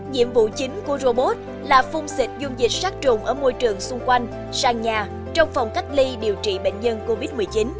nhiệm vụ chính của robot là phung xịt dung dịch sát trùng ở môi trường xung quanh sàn nhà trong phòng cách ly điều trị bệnh nhân covid một mươi chín